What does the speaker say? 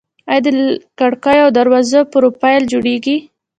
آیا د کړکیو او دروازو پروفیل جوړیږي؟